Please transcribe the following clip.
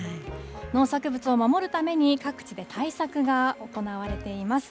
農作物を守るために各地で対策が行われています。